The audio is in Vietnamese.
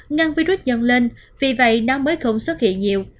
ngăn virus dần lên vì vậy nó mới không xuất hiện nhiều